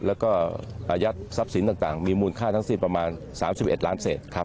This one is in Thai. แล้วก็อายุทรัพย์สับสินต่างต่างมีมูลค่าทั้งสิบประมาณสามสิบเอ็ดล้านเศษครับ